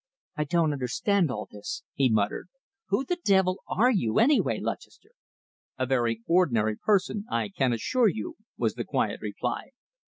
"I don't understand all this," he muttered. "Who the devil are you, anyway, Lutchester?" "A very ordinary person, I can assure you," was the quiet reply.